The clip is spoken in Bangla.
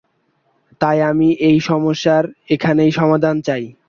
তাই আমি এই সমস্যার এখানেই সমাধান চাই।